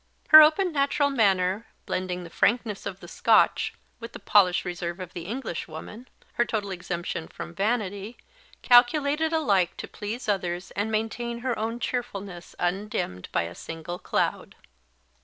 Her open natural manner, blending the frankness of the Scotch with the polished reserve of the English woman, her total exemption from vanity, calculated alike to please others and maintain her own cheerfulness undimmed by a single cloud.